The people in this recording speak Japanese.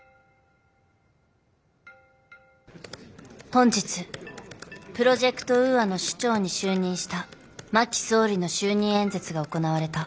本日プロジェクト・ウーアの首長に就任した真木総理の就任演説が行われた。